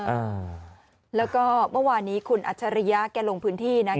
อ่าแล้วก็เมื่อวานนี้คุณอัจฉริยะแกลงพื้นที่นะ